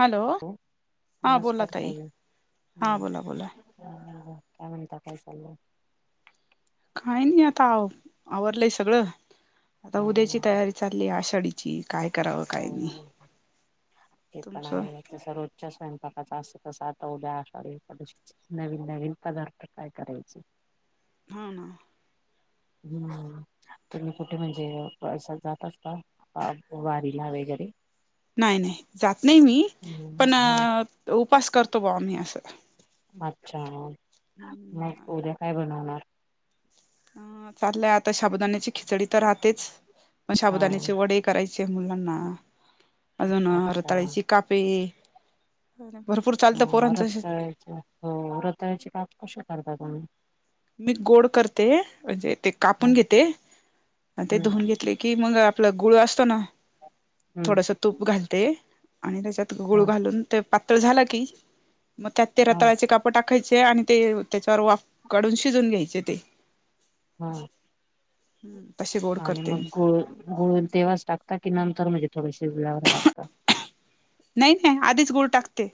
Hello हो हा बोला नमस्कार ताई हा हं बोला बोला काय म्हणता काय चालंय काही नाही आता आवरलंय सगळं आता हा उद्याची तयारी चाललीय आषाढीची काय करावं काय नाही हो तुमचं? जसं रोजच्या स्वयंपाकाचं असतं तसं आता उद्या आषाढी एकादशी. नवीन नवीन पदार्थ काय करायचे. हा ना हम्म तुम्ही कुठे म्हणजे पर्सनल जात असता वारीला वगैरे नाही नाही जात नाही मी हम्म. पण हा उपास करतो बॉ आम्ही असं अच्छा मग उद्या काय बनवणार. ह चाललंय आता साबुदाण्याची खिचडी तर राहतेच पण हा साबुदाण्याचे वडे. करायचे मुलांना अजून अच्छा रताळ्याचे कापे. भरपूर चालतं पोरांचं हे अच्छा हो रताळ्याचे काप कशे करतात तुम्ही. मी गोड करते म्हणजे ते हो कापून घेते. आणि ते धुवून हम्म घेतले की मग आपला गुळ असतो ना. ह थोडस तूप घालते आणि त्याच्यात गुळ हा घालून ते पातळ झाल की.. मग त्यात ते हा रताळ्याचे काप टाकायचे आणि ते त्याच्यावर वाफ काढून शिजून घ्यायचे ते. हा हम्म तशी बोल [unintelligible] आणि मग गुळ गुळ तेव्हाच टाकता की नंतर म्हणजे थोडे शिजल्यावर टाकता. नाही नाही आधीच गुळ टाकते.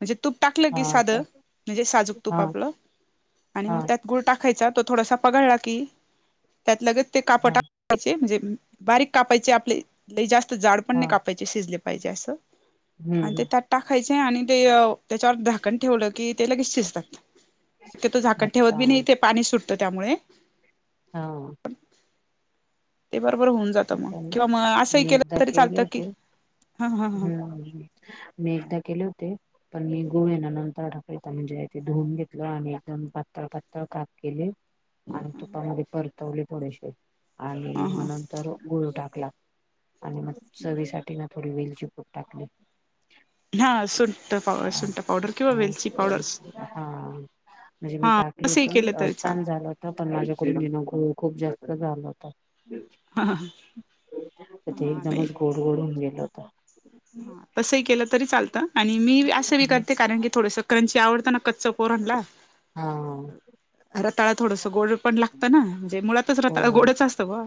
म्हणजे तूप टाकलं हा की का साधं म्हणजे साजूक तूप हा आपलं आणि हा मग त्यात. गुळ टाकायचा तो थोडासा पगळला की त्यात लगेच ते काप हा टा. म्हणजे बारीक कापायचे आपले लइ जास्त जाड पण हा नाही कापायचे शिजले पाहिजे असं. हम्म आणि ते हम्म त्यात टाकायचे आणि ते त्याच्यावर झाकण ठेवलं की ते लगेच शिजतात. शक्यतो तिथं झाकण ठेवत अच्छा बी नाही ते पाणी सुटतं त्यामुळे. हा ते बरोबर होऊन जात मग आता किंवा मग असंही मी केलं एकदा तरी केले चालतं की. होते हा हा हा हम्म मी एकदा केले होते पण मी गुळ ये ना नंतर टाकायचा म्हणजे ते धुवून घेतलं आणि एकदम पातळ पातळ काप केले. आणि तुपामध्ये परतवले थोडेसे हा आणि हा मग नंतर गुळ टाकला. आणि मग चवीसाठी ना थोडी वेलची पूड टाकली. हा सुंठ पावदर हा सुंठ पावडर किंवा वेलची पावडर हा म्हणजे मी हा टाकली असंही होती केलं तरी छान चालत झाल. आता मी माझ्या खोलीत गेलो खू खूप जास्त झालं होता. हा ते हा नाही एकदमच गोड गोड होऊन गेल होत. हा तसंही केलं तरी चालतं आणि मी असं बी करते कारण की थोडस क्रांची आवडत. अन कच्च पोरांला. हा रताळा थोडस गोड पण लागतं ना म्हणजे मुळातच हो रताळ गोडच असतं बुवा.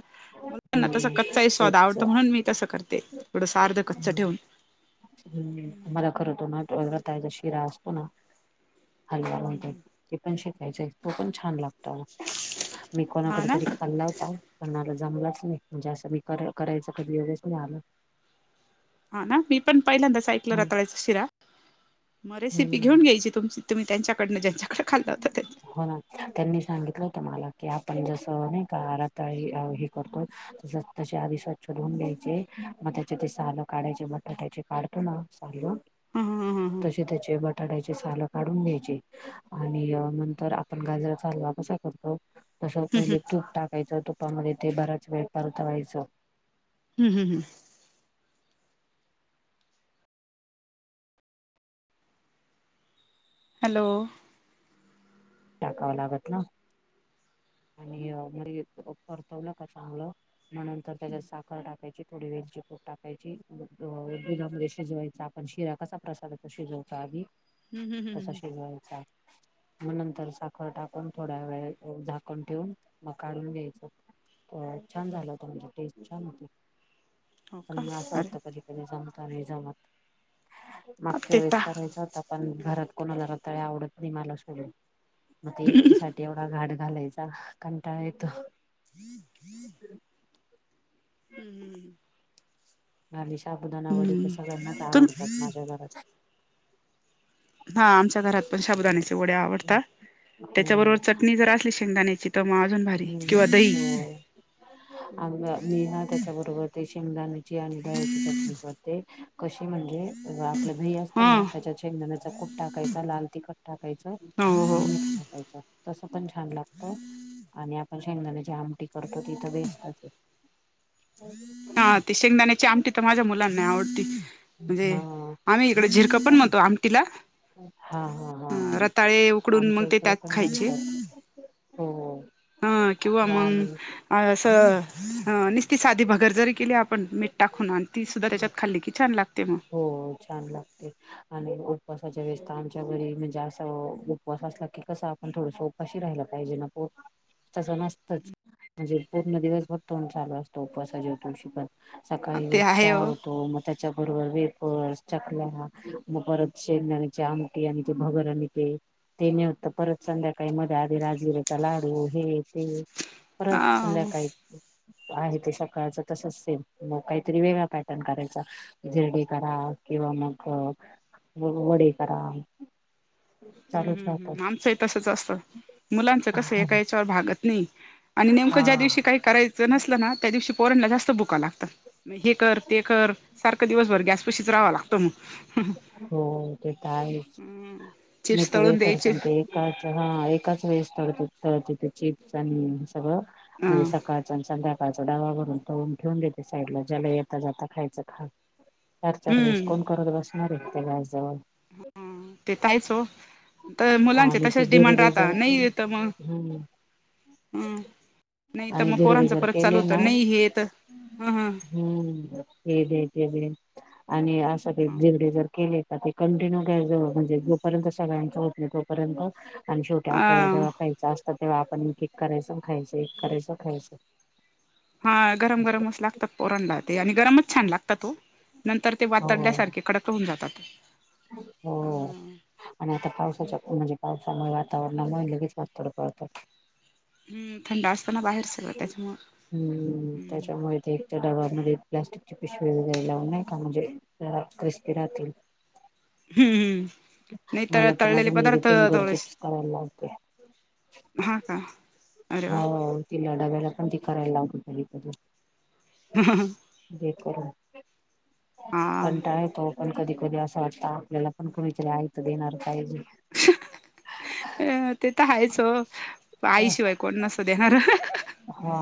मगना तसा हम्म कच्चा स्वाद तेच आवडत म्हणून मी तसं करते थोडंस अर्ध कच्च ठेवून. हम् मला खर त हो ना रताळ्याचा शिरा असतो ना,. हलवा म्हण ते पण शिषकायचंय तो पण छान लागतो मी हा कोणाकडे. ना तरी खाल्ला होता पण मला जमलाच नाही म्हणजे असं मी करायच कधी योगच नाही आला. हा ना मी पण पहिल्यांदाच ऐकला हम्म रताळ्याचा शिरा. म रेसिपी हम्म घेऊन घ्यायची तुमची तुम्ही त्यांच्याकडनं ज्यांच्याकडे खाल्ल होत त्यांनी. हो ना त्यांनी सांगितलं होत मला की आपण जसं नाही का रताळे हे करतो,. तस त्याच्या आधी स्वच्छ धुऊन घ्यायचे. मग त्याचे ते सालं काढायचे. बटाट्याचे काढतो ना सालं. हं हं तसे त्याचे बटाट्याचे सालं काढून घ्यायचे आणि नंतर आपण गाजराचा हलवा कसा करतो? तस हं हं पहिले हं तुप टाकायचं तु तुपामध्ये ते बराच वेळ परतवायचं. हम् हम हं हॅलो टाकावं लागत ना. आणि मग हे परतवलं का चांगलं मग नंतर त्याच्यात साखर टाकायची थोडी वेलची पूट टाकायची. दुधामध्ये शिजवायचा आपण शिरा कसा प्रसादाचा शिजव आधी, हं हं हं तसा हं शिजवायचा मग नं तर साखर टाकून. थोडा वेळ झाकण ठेवून मग काढून घ्यायचं. तर छान झालं होता. म्हणजे टेस्ट छान होती. हो पण का मग असं अरे वाटतं, कधी कधी जमतं नाही जमत. मागच्या वेळेस तेता करायचा होता, पण घरात कोणाला रताळे आवडत नाही मला सोडून मग ते एकटीसाठी एवढा घाठ घालायचा कंटाळा येतो. [inaudible] हम्म हम आणि साबूदाना वडे तर हं सगळ्यांनाच तुम आवडतात माझ्या घरात. हा आमच्या घरात पण शाबुदाण्याचे वडे हो आवडतात. त्याच्याबरोबर चटणी जर असली शेंगदाण्याची तर मग अजून भारी किंवा दही अ मी ना त्याच्याबरोबर ते शेंगदाण्याची आणि दह्याची चटणी कर ते. कशी म्हणजे आपलं दही असत हा ना, त्याच्या शेंगण्याचा कुट टाकायचा, लाल तिखट टाकायचं. हो हो आणि मीठ टाकायचं तस पण छान लागतं. आणि आपण शेंगदाण्याची आमटी करतो ती तर बेस्टच आहे. हा ती शेंगदाण्याची आमटी तर माझ्या मुलांना आवडती. आहे ना. म्हणजे आम्ही इकडं झिरकं पण हा म्हणतो आमटीला. हा हा हा. हम. रताळे उकडून मग आमच्या ते इकडे त्यात पण खायचे,. म्हणतात [unintelligible] हो अं किंवा मग आणि अ असं नीसती साधी भगर जरी केली आपण मीठ टाकून. आणि ती सुद्धा त्याच्यात खाल्ली की छान लागते मग. हो हो छान लागते. आणि उपवासाच्या वेळेस आमच्या घरी म्हणजे असं उपवास असला की कस पण थोडं उपांशी राहिला पाहिजे ना पोट तसं नसतंच. म्हणजे पूर्ण दिवस भर तोंड चालू असत उपवासाच्या दिवशी पण. सकाळी ते एक आहे चहा हो होतो. मग त्याच्याबरोबर वेफर्स, चकल्या मग परत शेंगण्याचे आमटी आणि ते भगर आणि ते ते मिळतं. परत संध्याकाळी मध्ये आधी राजगिरचा लाडू हे ते परत हा संध्याकाळी आहेत ते सकाळचं तसच सेम. मग काहीतरी वेगळा पॅटर्न करायचा. धिरडे करा, किंवा मग वडे करा. हम्म चालूच हम् राहतात हम. आमचंही तसंच असतं. मुलांचं कसं हे एका याच्यावर भागत नाही. आणि नेमकं हा ज्या दिवशी काही करायच च नसलं ना, त्या दिवशी पोरांनला जास्त भुका लागतात. हे कर ते कर सारखं दिवसभर गॅस पशीच राहावं लागतं मग. हो ते तर आहेच. मी चिप्स तर बाई तळून खरं द्यायचे सांगते एकाच हा एकाच वेळेस तळते ते चिप्स आणि सगळ अ म्हणजे सकाळचं आणि संध्या काळचं डबा भरून तळून ठेवून गेलते साईडला ज्याला येता जाता खायचं खा चार चार वेळेस हम्म कोण करत बसणारये त्या गॅसजवळ. ते तर आहेच हो तर मुलांचे आणि ते तसेच डिमांड धिरडे जर राहता नाही ये तर मग हम्म हम् नाही तर आणि मग धिरडे पोरांच जर परत चालू केले होत. ना नाही हेेत ह ह हम्म हे दे ते दे आणि असं का घेवडे जर केले तर ते कंटिन्यू गॅसजवळ म्हणजे जोपर्यंत सगळ्यांच होत नाही तोपर्यंत आणि शेवटी आपल्याला अ जेव्हा खायचं असतात तेव्हा आपण एक करायचं खायचं, एक करायचं खायचं. हा गरम असं गरमच लागतात पोरांना ते आणि गरमच छान लागतात ओ. नंतर ते हो वातडल्यासारखे कडक होऊन जातात. हो आणि आता पावसाच्या म्हणजे पावसामुळे वातावरणामुळे लगेच वातोड पडतात. हम थंड असत ना बाहेर सगळं हम्म त्याच्यामुळं. त्याच्यामुळे ते एका डब्यामध्ये प्लास्टिकची पिशवी वगैरे लावून नाही का म्हणजे जरा क्रिस्पी रातील. हम्म नाही मला तर माझी तळलेले मुलगी पदार्थ फिंगर चिप्स थोडेसे करायला लावते. हा का. अरे हो वा ती [unintelligible] पण ती करायला लावती. ह ह दे करून हा कंटाळा येतोय. पण कधी कधी असं वाटत आपल्याला पण कुणीतरी आयत देणार पाहिजे. अ ते तर हायच ओ आईशिवाय कोण नसत देणार हा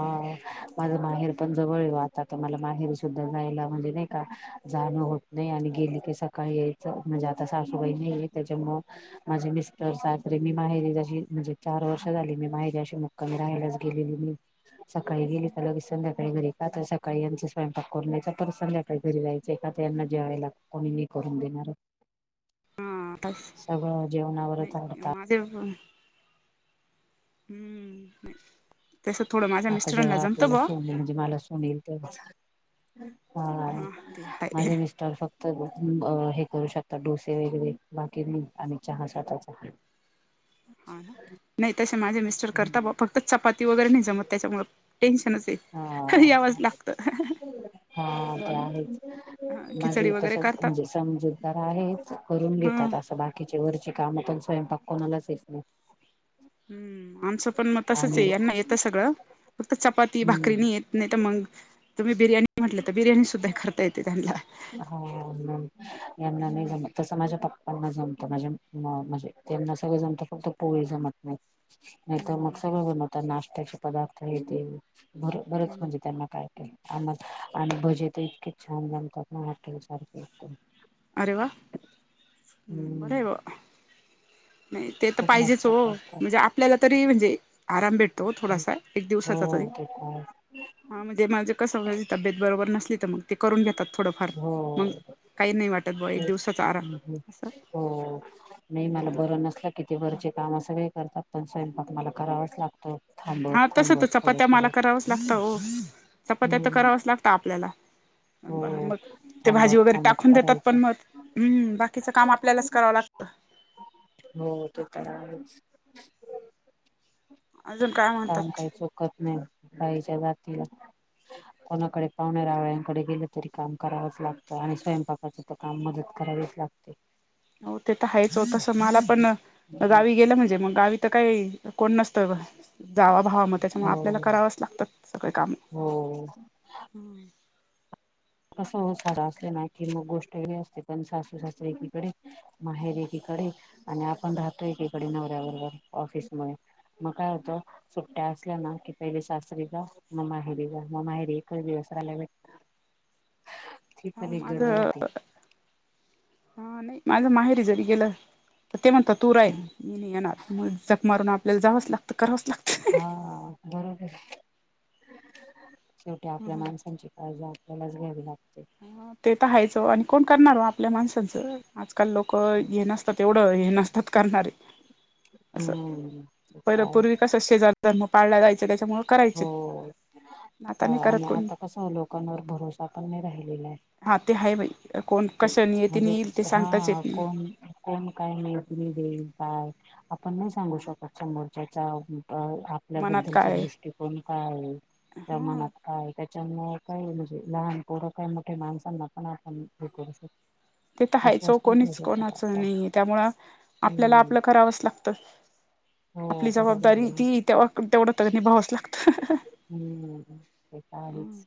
माझ माहेर पण जवळ ये बुवा आता तर मला माहेरी सुद्धा जायला म्हणजे नाही का जाणं होत नाही आणि गेली की सकाळी यायचं म्हणजे आता सासूबाई नाही येत त्याच्यामुळं माझे मिस्टर [unintelligible] मी माहेरी जशी म्हणजे चार वर्ष झाली मी माहेरी अशी कमी राहायलाच गेलेली मी. सकाळी गेली तर संध्याकाळी घरी का तर सकाळी यांचा स्वयंपाक करून द्यायचा परत संध्याकाळी घरी जाय चं का तर यांना जेवायला कोणी नाही करून देणार. हां [unintelligible] सगळं जेवणावरच आहे. [unintelligible] हम्म नाही आता जेव्हा आपल्याला सून येईल म्हणजे मला सून येईल ते हा हा ते आहे माझे मिस् स्टर फक्त हे करू शकतात डोसे वगैरे बाकी नाही आणि चहा स्वतः चा हा ना नाही तसे माझे मिस्टर करता बा फक्त चपाती वगैरे नाही जमत त्याच्यामुळ टेन्शनच ये. यावंच हा लागत. हा ते आहेच हा माझ खिचडी ही वगैरे तसच करतात म्हणजे समजूतदार आहेत करून हम्म घेतात असं बा कीचे वरचे काम पण स्वयंपाक कोणालाच येत नाही. हम्म आमचं पण मग तसंच आणि ये यांना येतं सगळं फक्त चपाती हम्म भाकरी नाही येत. नाही तर मग तुम्ही बिर्याणी म्हटलं तर बिर्याणी सुद्धा करता येते त्यान्ला. हो यांना नाही हम्म जमत तसं माझ्या पप्पांना जमत माझे म्हणजे त्यांना सगळं जमतं फक्त पोळी जमत नाही नाही तर मग हम्म सगळं बनवता नाशत्याचे पदार्थ हे तेर बरच हम्म म्हणजे त्यांना काय आ आणि बजे तर इतके छान जणतात ना हॉटेल सारखे एकदम. अरे वा हम्म बर ब. नाही ते तर खूप पाहिजेच मस्त हो करतात म्हणजे आपल्याला तरी म्हणजे आराम भेट त थोडासा एक हो दिवसाचा तरी ते पण हा म्हणजे माझे. कसची तब्येत बरोबर नसली तर मग ते करून घेतात थोडंफार हो मग काही नाही वाटत बऊ एक तेच दिवसाचा आरा. हम्म हो नाही मला बर. किती वरचे काम सगळे करतात पण स्वयंपाक मला करावंच लागतं. थांबत थांबत थोडं थोडं लागत हो चपात्या तर हम्म करावच लागत आपल्याला हो मग ते भाजी थांबत वगैरे थांबत टाकून देतात करायचं पण मग हम्म बाकीचं काम आपल्यालाच करावं लागतं हो ते तर आहेच. अजून काय काम म्हणतात काही चुकत नाही बाईचा जातीला कोणाकडे पाहुण्या रावळ्यांकडे गेलं तरी काम करावंच लागतं आणि स्वयंपाकाचं तर काम मदत करावीच लागतं ते. हो ते तर हयच होतसं मला पण गावी गेलं म्हणजे मग गावी तर काही कोण नसतं जावा भावा मग त्याच्यामुळे आपल्याला हो करावंच लागतं सगळे काम हो हम्म. तसं सारा असते ना की मग गोष्ट वेगळी असते पण सासू सासरे एकीकडे.. माहेर आहे तीकडे आणि आपण राहतोय तीकडे नवऱ्याबरोबर ऑफिस मुळे. मग कायं होत. सुट्ट्या असल्या ना की पहिले शस्त्री जा म माहेरी जा म माहेरी एकच दिवस राहिल्या भेटत आ आता होते. हा नाही माझ माहेरी जरी गेलं तर ते म्हणतात तूरा आहे म नाही येणार जक मारून आपल्याला जावंच लागतं करावंच लागतं. हा बरोबर शेवट्या आपल्या माणसांची अज आपल्यालाच घ्यावी लागते हा ते तर रहायचं आणि कोण करणार आपल्या माणसाचं आजकाल लोक ये नसत. तेवढं हे नसतात करणारे असं हम्म पहिलं काय पूर्वी कस शेजरी.. जन्म पाळला जायच त्याच्यामुळं हो करायचे अ, आता नाही आणि करत कोणी आता लोकांवर भरोसा पण मी राहिलेला आहे. हा ते आहे बाई कोण ते कशाने म्हणजे येतीने येईल ते सांगताच हा येत नाही. कोण. कोण काही म त देईल काय आपण नाही सांगू शकत समोरच्याचा. मनात आपल्याबद्दलचा काय दृष्टिकोन काय आहे त्या ह मनात ह त्याच्यामुळे काही म्हणजे लहान पोरं काय मोठ्या माणसांना पण आपण हे करू शकतो. ते तर आहेच ओ विश्वास नाही ठेवू कोणीच शकत कोणाचं आपला नाही त्यामुळ आपल्याला हम्म आपलं करावंच लागतं हो आपली बरोबर जबाबदारी आहे ती तेव्हा तेवढं तर निभावंच लागतं हम्म ते त आहेच.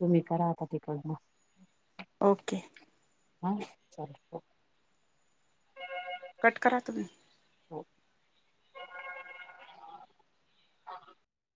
तुम्ही करा आता तिकड मग ओके. हम्म चालेल ओके. कट करा तुम्ही. हो.